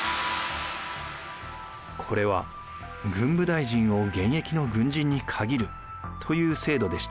これは軍部大臣を現役の軍人に限るという制度でした。